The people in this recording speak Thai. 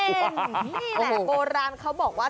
นี่แหละโบราณเขาบอกว่า